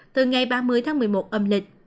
từ ngày ba mươi tháng một mươi một âm lịch